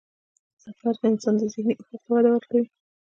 سفر د انسان ذهني افق ته وده ورکوي.